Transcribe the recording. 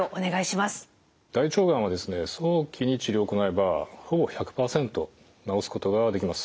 大腸がんは早期に治療を行えばほぼ１００％治すことができます。